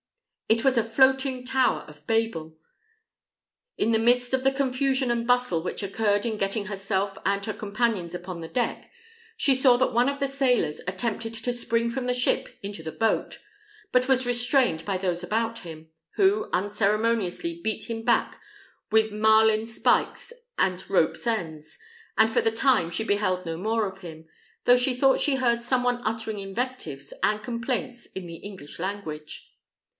It was a floating tower of Babel. In the midst of the confusion and bustle which occurred in getting herself and her companions upon the deck, she saw that one of the sailors attempted to spring from the ship into the boat, but was restrained by those about him, who unceremoniously beat him back with marline spikes and ropes' ends; and for the time she beheld no more of him, though she thought she heard some one uttering invectives and complaints in the English language.